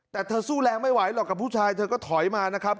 แต่เธอสู้แรงไม่ไหวหรอกกับผู้ชายเธอก็ถอยมานะครับ